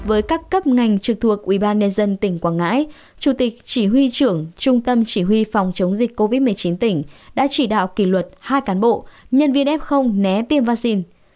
với các cấp ngành trực thuộc ubnd tỉnh quảng ngãi chủ tịch chỉ huy trưởng trung tâm chỉ huy phòng chống dịch covid một mươi chín tỉnh đã chỉ đạo kỷ luật hai cán bộ nhân viên f né tiêm vaccine